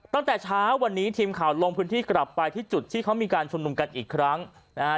ตั้งแต่เช้าวันนี้ทีมข่าวลงพื้นที่กลับไปที่จุดที่เขามีการชุมนุมกันอีกครั้งนะฮะ